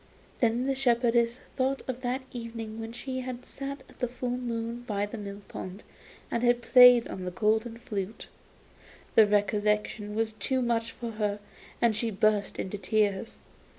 Then the shepherdess thought of that evening when she had sat at the full moon by the mill pond and had played on the golden flute; the recollection was too much for her, and she burst into tears.